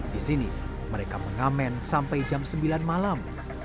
di sini mereka mengamen sampai jam sembilan malam